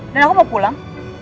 dan aku mau pulang